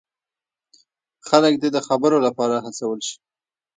خلک دې د خبرو لپاره هڅول شي.